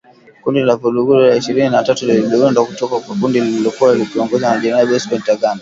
Kundi la Vuguvugu la Ishirini na tatu liliundwa kutoka kwa kundi lililokuwa likiongozwa na Jenerali Bosco Ntaganda